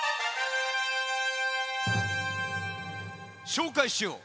しょうかいしよう。